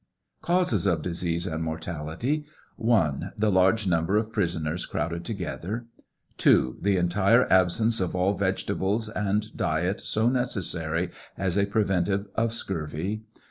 CAUSES OP DISEASE AND MORTALITY. J. The large number of prisoners crowded together. 2. The entire absence of all vegetables and diet so necessary as a preventive of scurvy.